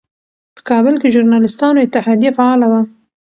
په کابل کې ژورنالېستانو اتحادیه فعاله وه.